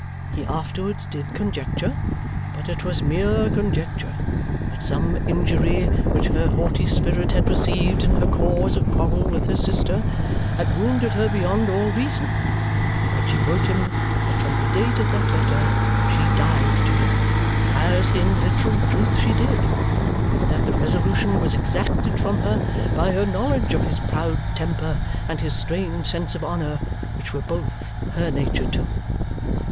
He afterwards did conjecture (but it was mere conjecture) that some injury which her haughty spirit had received in her cause of quarrel with her sister had wounded her beyond all reason, but she wrote him that from the date of that letter she died to him as in literal truth she did and that the resolution was exacted from her by her knowledge of his proud temper and his strained sense of honour, which were both her nature too.